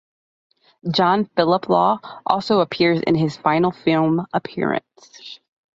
John Phillip Law also appears in his final film appearance.